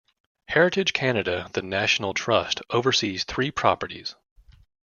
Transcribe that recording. Heritage Canada The National Trust oversees three properties.